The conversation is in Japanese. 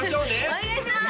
お願いします！